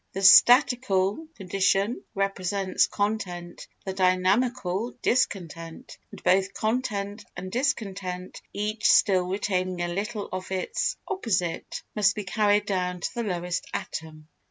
The statical condition represents content, the dynamical, discontent; and both content and discontent, each still retaining a little of its opposite, must be carried down to the lowest atom.